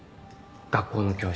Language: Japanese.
学校の教室。